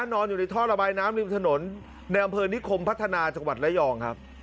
นอนอยู่ในท่อระบายน้ำริมถนนในอำเภอนิคมพัฒนาจังหวัดระยองครับ